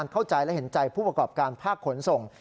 เข้าใจและเห็นใจผู้ประกอบการภาคขนส่ง